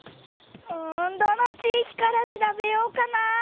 うんどの地いきから調べようかな？